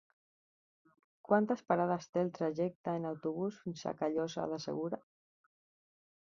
Quantes parades té el trajecte en autobús fins a Callosa de Segura?